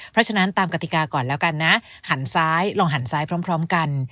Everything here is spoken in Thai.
เพราะฉะนั้นตามกติกาก่อนแล้วกันนะหันซ้ายลองหันซ้ายพร้อมกัน